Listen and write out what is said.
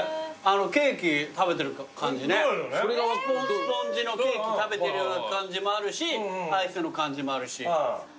スポンジのケーキ食べてるような感じもあるしアイスの感じもあるし。